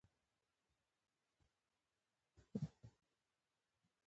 د شعرونو لوستل هم د انسان عاطفه ځواکمنوي